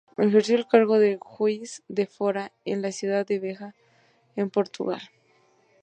Ejerció el cargo de "juiz de fora" en la ciudad de Beja, en Portugal.